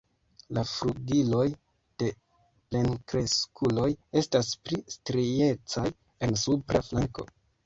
La flugiloj de plenkreskuloj estas pli striecaj en supra flanko.